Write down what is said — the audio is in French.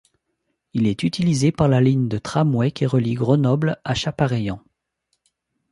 Il est utilisé par la ligne de Tramway qui relie Grenoble à Chapareillan.